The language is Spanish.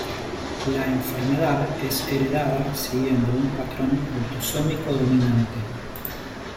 La enfermedad es heredada siguiendo un patrón autosómico dominante.